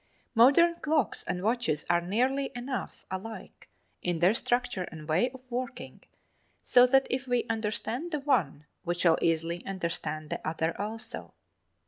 Modern clocks and watches are nearly enough alike in their structure and way of working, so that if we understand the one, we shall easily understand the other also.